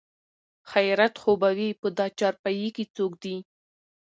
خېرت خو به وي په دا چارپايي کې څوک دي?